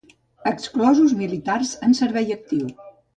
Exclosos militars en servei actiu.